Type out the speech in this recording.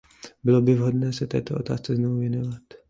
Bylo by vhodné se této otázce znovu věnovat.